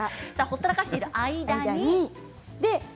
ほったらかしている間に。